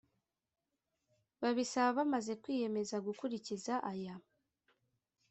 babisaba bamaze kwiyemeza gukurikiza aya